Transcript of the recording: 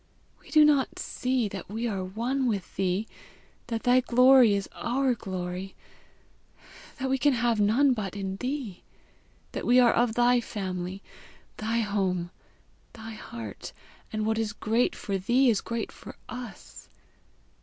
We do not see that we are one with thee, that thy glory is our glory, that we can have none but in thee! that we are of thy family, thy home, thy heart, and what is great for thee is great for us!